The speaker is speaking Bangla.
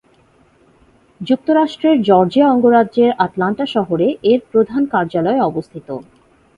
যুক্তরাষ্ট্রের জর্জিয়া অঙ্গরাজ্যের আটলান্টা শহরে এর প্রধান কার্যালয় অবস্থিত।